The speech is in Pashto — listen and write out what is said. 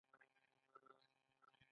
آیا ښځې په اقتصاد کې لویه برخه نلري؟